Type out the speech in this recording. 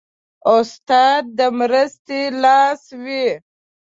استاد د مرستې لاس وي.